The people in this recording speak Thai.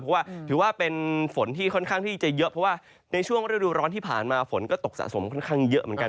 เพราะว่าถือว่าเป็นฝนที่ค่อนข้างที่จะเยอะเพราะว่าในช่วงฤดูร้อนที่ผ่านมาฝนก็ตกสะสมค่อนข้างเยอะเหมือนกัน